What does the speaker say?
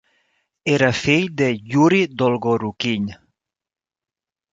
Era fill de Yuri Dolgorukiy.